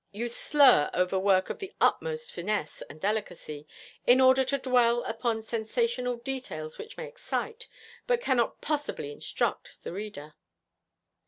You slur over work of the utmost finesse and delicacy, in order to dwell upon sensational details which may excite, but cannot possibly instruct, the reader.'